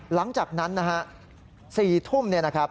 หลังจากนั้น๔ทุ่ม